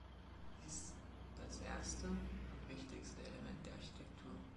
Sie ist das erste und wichtigste Element der Architektur.